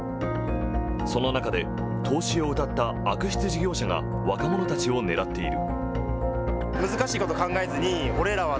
その中で投資をうたった悪質事業者が若者たちを狙っている。